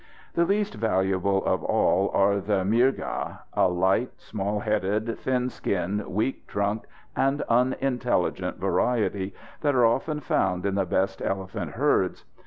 The least valuable of all are the Mierga a light, small headed, thin skinned, weak trunked and unintelligent variety that are often found in the best elephant herds.